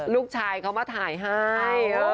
ลูกชายเขามาถ่ายให้